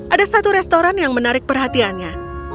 ada satu restoran yang menarik perhatiannya